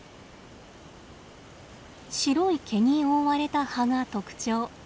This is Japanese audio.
白い毛に覆われた葉が特徴。